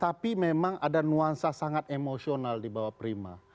tapi memang ada nuansa sangat emosional di bawah prima